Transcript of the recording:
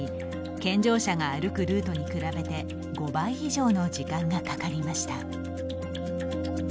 健常者が歩くルートに比べて５倍以上の時間がかかりました。